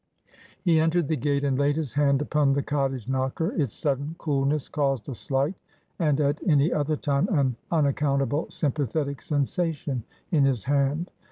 He entered the gate, and laid his hand upon the cottage knocker. Its sudden coolness caused a slight, and, at any other time, an unaccountable sympathetic sensation in his hand.